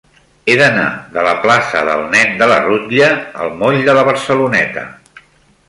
He d'anar de la plaça del Nen de la Rutlla al moll de la Barceloneta.